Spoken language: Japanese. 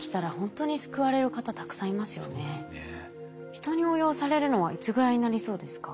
人に応用されるのはいつぐらいになりそうですか？